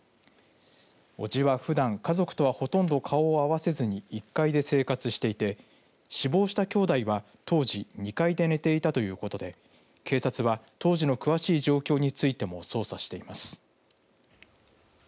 伯父はふだん、家族とはほとんど顔をあわせずに１階で生活していて死亡した兄弟は、当時２階で寝てたということで警察は当時の詳しい状況についても捜査しています。